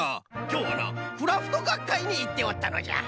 きょうはなクラフトがっかいにいっておったのじゃ。